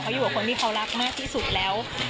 เขาอยู่กับคนที่เขารักมากที่สุดแล้ว